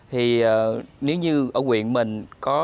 thì nếu như ở huyện mình có